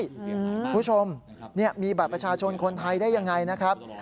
คุณผู้ชมมีบัตรประชาชนคนไทยได้ยังไงนะครับ